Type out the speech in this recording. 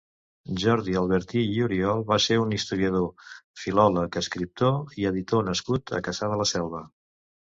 Jordi Albertí i Oriol va ser un historiador, filòleg, escriptor i editor nascut a Cassà de la Selva.